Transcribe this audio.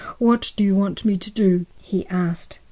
"What do you want me to do?" he asked.